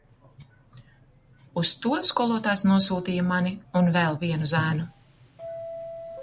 Uz to skolotājs nosūtīja mani un vēl vienu zēnu.